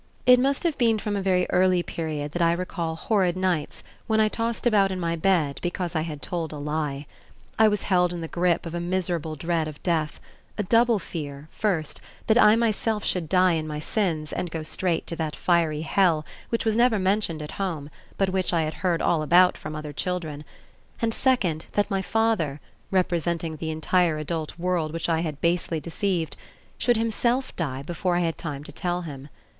It must have been from a very early period that I recall "horrid nights" when I tossed about in my bed because I had told a lie. I was held in the grip of a miserable dread of death, a double fear, first, that I myself should die in my sins and go straight to that fiery Hell which was never mentioned at home, but which I had heard all about from other children, and, second, that my father representing the entire adult world which I had basely deceived should himself die before I had time to tell him.